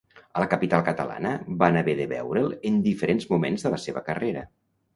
A la capital catalana van haver de veure'l en diferents moments de la seva carrera.